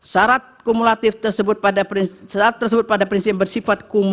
sarat kumulatif tersebut pada prinsip